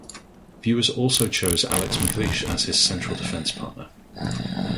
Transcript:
Viewers also chose Alex McLeish as his central defence partner.